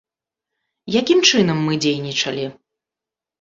Якім чынам мы дзейнічалі?